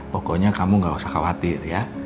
pokoknya kamu gak usah khawatir ya